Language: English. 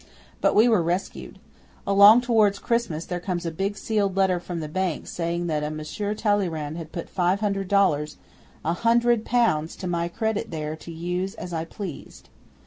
But we were rescued. Along towards Christmas there comes a big sealed letter from the Bank saying that a Monsieur Talleyrand had put five hundred dollars a hundred pounds to my credit there to use as I pleased.